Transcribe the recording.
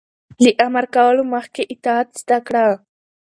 - له امر کولو مخکې اطاعت زده کړه.